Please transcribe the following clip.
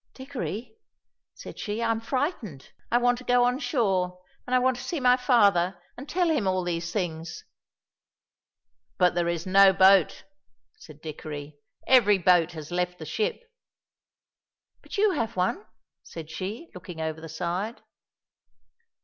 "Dickory," said she, "I am frightened; I want to go on shore, and I want to see my father and tell him all these things." "But there is no boat," said Dickory; "every boat has left the ship." "But you have one," said she, looking over the side.